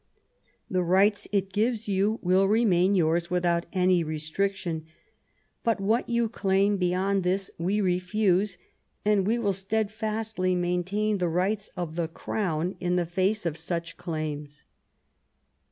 The rights it gives you will remain yours without any restriction. But what you claim^ beyond this we refuse, and we will steadfastly maintain the rights of the Crown in the face of such claims."